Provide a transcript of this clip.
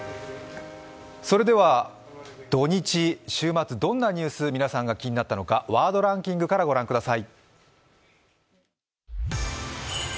それでは土日、週末、皆さんがどんなニュースが気になったのかワードランキングから御覧ください。